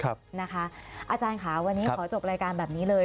อาจารย์ค่ะวันนี้ขอจบรายการแบบนี้เลย